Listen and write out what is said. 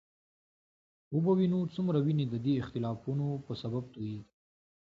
وبه وینو څومره وینې د دې اختلافونو په سبب تویېږي.